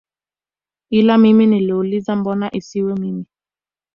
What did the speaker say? Ila mimi niliuliza mbona isiwe mimi